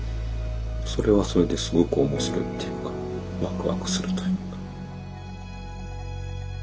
それはそれですごく面白いっていうかワクワクするというか。